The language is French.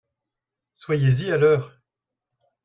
Soyez-y à l'heure !